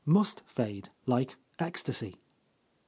. must fade, like ecstasy.